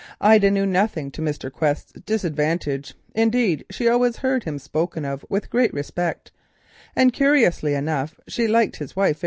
Ida was one of these. She knew nothing to Mr. Quest's disadvantage, indeed she always heard him spoken of with great respect, and curiously enough she liked his wife.